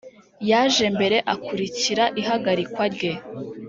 yaje mbere akurikira ihagarikwa rye